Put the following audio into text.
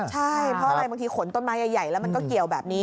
ใช่เพราะอะไรบางทีขนต้นไม้ใหญ่แล้วมันก็เกี่ยวแบบนี้